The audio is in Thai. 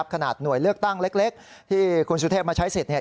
ขนาดหน่วยเลือกตั้งเล็กที่คุณสุเทพมาใช้สิทธิ์